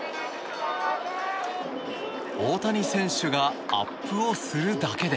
大谷選手がアップをするだけで。